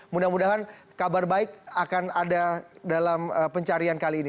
mudah mudahan kabar baik akan ada dalam pencarian kali ini